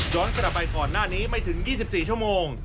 กลับไปก่อนหน้านี้ไม่ถึง๒๔ชั่วโมง